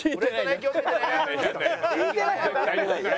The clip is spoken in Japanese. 聞いてない！